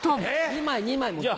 ２枚２枚持ってって。